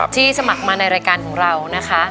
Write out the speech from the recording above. สมัครมาในรายการของเรานะคะ